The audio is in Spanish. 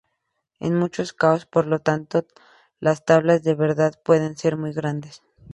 En muchos casos, por lo tanto, las tablas de verdad pueden ser muy grandes.